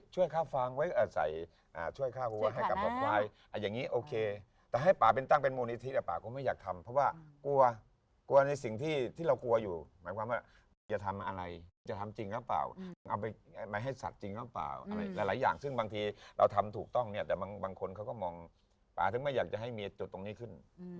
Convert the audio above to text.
ค่าฟางไว้ใส่ช่วยค่าวัวให้กับควายอย่างนี้โอเคแต่ให้ป่าเป็นตั้งเป็นมูลนิธิป่าก็ไม่อยากทำเพราะว่ากลัวกลัวในสิ่งที่เรากลัวอยู่หมายความว่ากูจะทำอะไรกูจะทำจริงหรือเปล่ามึงเอาไปให้สัตว์จริงหรือเปล่าอะไรหลายอย่างซึ่งบางทีเราทำถูกต้องเนี่ยแต่บางคนเขาก็มองป่าถึงไม่อยากจะให้มีจุดตรงนี้ขึ้น